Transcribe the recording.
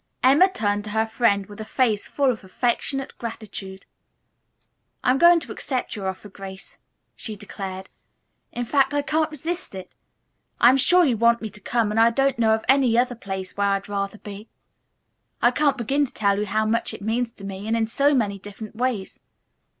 Emma turned to her friend with a face full of affectionate gratitude. "I'm going to accept your offer, Grace," she declared. "In fact, I can't resist it. I am sure you want me to come and I don't know of any other place where I'd rather be. I can't begin to tell you how much it means to me, and in so many different ways.